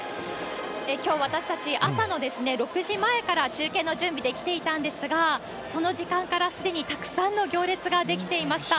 きょう、私たち、朝の６時前から中継の準備で来ていたんですが、その時間からすでにたくさんの行列が出来ていました。